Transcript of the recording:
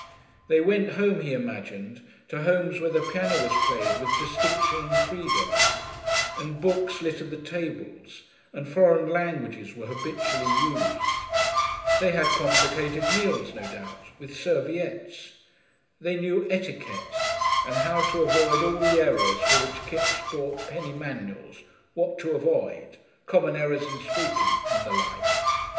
They went home, he imagined, to homes where the piano was played with distinction and freedom, and books littered the tables, and foreign languages were habitually used. They had complicated meals, no doubt with serviettes. They "knew etiquette," and how to avoid all the errors for which Kipps bought penny manuals, "What to Avoid," "Common Errors in Speaking," and the like.